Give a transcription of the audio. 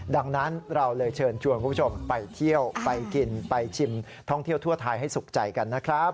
ดังนั้นเราเลยเชิญชวนคุณผู้ชมไปเที่ยวไปกินไปชิมท่องเที่ยวทั่วไทยให้สุขใจกันนะครับ